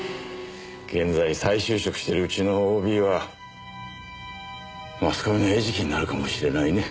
現在再就職してるうちのＯＢはマスコミの餌食になるかもしれないね